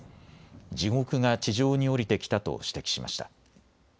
地獄が地上に降りてきたと指摘しました。